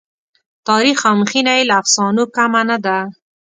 تاریخ او مخینه یې له افسانو کمه نه ده.